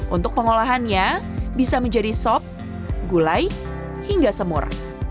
untuk pengolahannya bisa menjadi sop gulai hingga semur